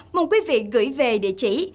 mong quý vị gửi về địa chỉ